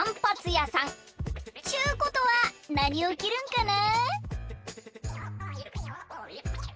っちゅうことはなにをきるんかな？